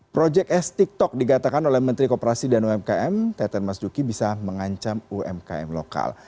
proyek s tiktok digatakan oleh menteri kooperasi dan umkm teten mas duki bisa mengancam umkm lokal